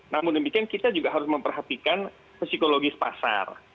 namun demikian kita juga harus memperhatikan psikologis pasar